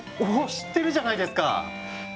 知ってるじゃないですか！